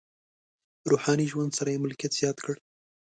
روحاني ژوند سره یې ملکیت زیات کړ.